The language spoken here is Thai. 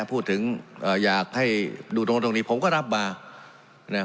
พูดถึงเอ่ออยากให้ดูตรงตรงนี้ผมก็รับมาเนี่ย